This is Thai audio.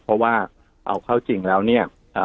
เพราะว่าเอาเข้าจริงแล้วเนี่ย